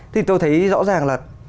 thì tôi thấy rõ ràng là